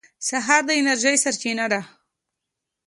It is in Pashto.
سهار د انرژۍ سرچینه ده.